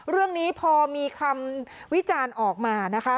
เรื่องนี้พอมีคำวิจารณ์ออกมานะคะ